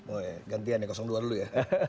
oh ya gantian ya dua dulu ya